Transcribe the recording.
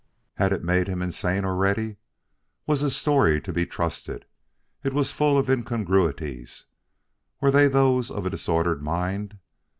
Had it made him insane already? Was his story to be trusted? It was full of incongruities; were they those of a disordered mind?